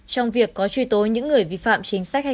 trong việc có truy tố những người vi phạm chính sách hay